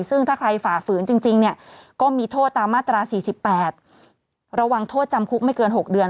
ซึ่งถ้าใครฝ่าฝืนจริงเนี่ยก็มีโทษตามมาตรา๔๘ระวังโทษจำคุกไม่เกิน๖เดือน